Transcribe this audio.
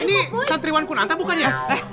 ini santri wan kunanta bukan ya